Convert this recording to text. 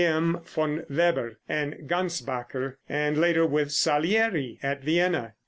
M. von Weber and Gansbacher, and later with Salieri at Vienna.